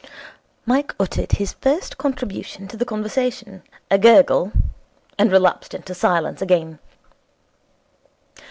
Mike uttered his first contribution to the conversation a gurgle and relapsed into silence again.